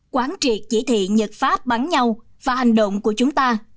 quán triệt chỉ thị nhật pháp bắn nhau và hành động của chúng ta